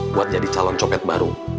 buat jadi calon coket baru